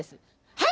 はい。